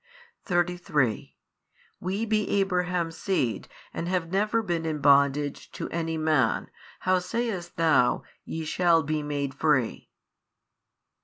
33 We be Abraham's seed and have never been in bondage to any man, how sayest Thou, Ye shall be made free?